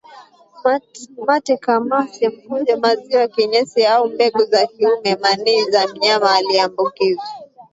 mate kamasi mkojo maziwa kinyesi au mbegu za kiume manii za mnyama aliyeambukizwa